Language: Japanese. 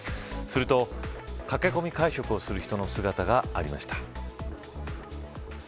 すると、駆け込み会食をする人の姿がありました。